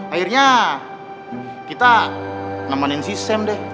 akhirnya kita nemenin si sam deh